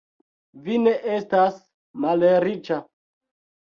Vi ne estas malriĉa.